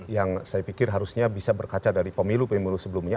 yang saya pikir harusnya bisa berkaca dari pemilu pemilu sebelumnya